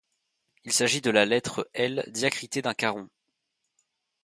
Il s’agit de la lettre L diacritée d'un caron.